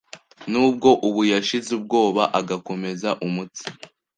n'ubwo ubu yashize ubwoba agakomeza umutsi